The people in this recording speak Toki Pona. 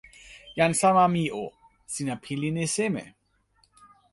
jan sama mi o, sina pilin e seme?